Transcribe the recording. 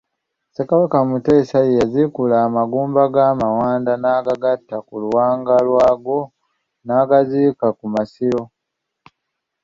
Ssekabaka Mutesa ye yaziikula amagumba ga Mawanda n'agagatta ku luwanga lwago n'agaziika ku masiro.